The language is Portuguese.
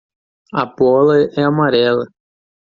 A bola é amarela.